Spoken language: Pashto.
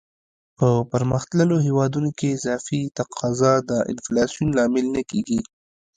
په پرمختللو هیوادونو کې اضافي تقاضا د انفلاسیون لامل نه کیږي.